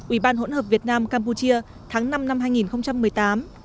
ubhv campuchia tháng năm năm hai nghìn một mươi tám